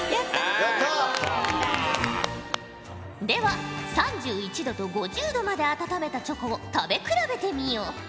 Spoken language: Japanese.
では３１℃と５０℃まで温めたチョコを食べ比べてみよ。